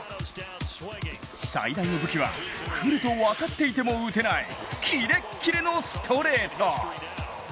最大の武器は来ると分かっていても打てないキレッキレのストレート。